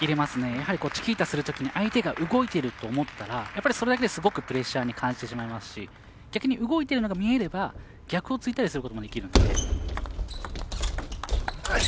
やはりチキータするときに相手が動いてる！と思ったら、それだけですごくプレッシャーに感じてしまいますし逆に動いているのが見えれば逆をついたりすることもできるので。